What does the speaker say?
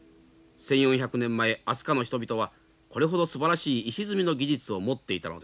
１，４００年前飛鳥の人々はこれほどすばらしい石積みの技術を持っていたのです。